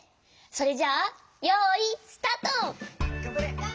それじゃあよいスタート！